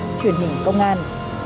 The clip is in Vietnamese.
b truyền hình công an